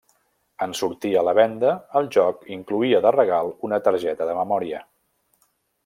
En sortir a la venda, el joc incloïa de regal una targeta de memòria.